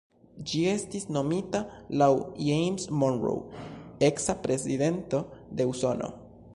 Ĝi estis nomita laŭ James Monroe, eksa prezidento de Usono.